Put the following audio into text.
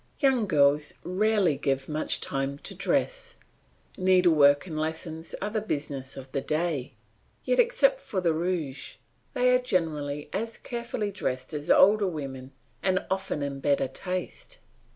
Young girls rarely give much time to dress; needlework and lessons are the business of the day; yet, except for the rouge, they are generally as carefully dressed as older women and often in better taste.